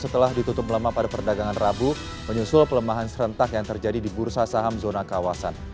setelah ditutup melemah pada perdagangan rabu menyusul pelemahan serentak yang terjadi di bursa saham zona kawasan